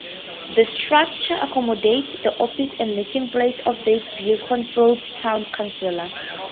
The structure accommodates the offices and meeting place of Beaconsfield Town Council.